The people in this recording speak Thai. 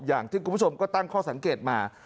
อย่างที่คุณผู้ชมก็ตั้งข้อสังเกตมา